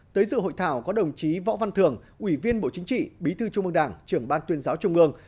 tới dự hội thảo có đồng chí võ văn thường ủy viên bộ chính trị bí thư trung mương đảng trưởng ban tuyên giáo trung ương